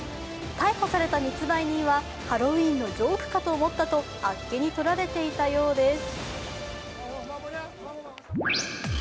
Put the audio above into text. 逮捕された密売人はハロウィーンのジョークかと思ったとあっけにとられていたようです。